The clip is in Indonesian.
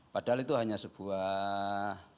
padahal itu hanya sebuah